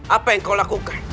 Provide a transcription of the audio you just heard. apa yang kau lakukan